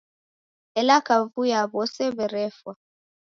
Ela kavui ya w'ose werefwa.